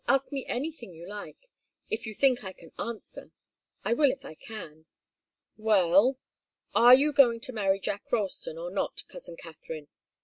"Ask me anything you like, if you think I can answer. I will if I can." "Well are you going to marry Jack Ralston or not, cousin Katharine?